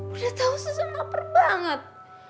udah tau susah maper banget